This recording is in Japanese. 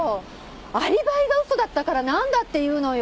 アリバイが嘘だったから何だっていうのよ。